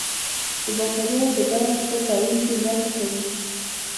د باکتریاوو د ډول په تعین کې مرسته کوي.